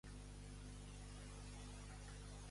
Com puc arribar l'oficina de la Margarida?